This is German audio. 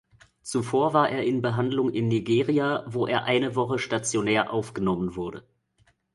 Zuvor war er in Behandlung in Nigeria, wo er eine Woche stationär aufgenommen wurde.